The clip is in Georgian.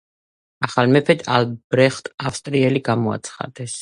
ახალ მეფედ ალბრეხტ ავსტრიელი გამოაცხადეს.